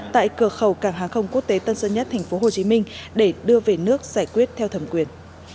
tại cửa khẩu cảng hàng không quốc tế tân sơn nhất tp hcm để đưa về nước giải quyết theo thẩm quyền